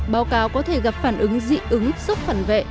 báo cáo có thể gặp phản ứng dị ứng sốc phản vệ